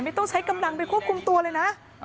ไม่ต้องใช้กำลังไปควบคุมตัวเลยนะ